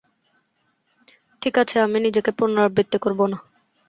ঠিকাছে, আমি নিজেকে পুনরাবৃত্তি করবো না।